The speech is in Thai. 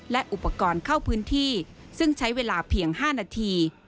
และอุปกรณ์เข้าพื้นที่ซึ่งใช้เวลาเพียง๕นาที